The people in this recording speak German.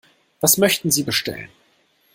Was möchten Sie bestellen?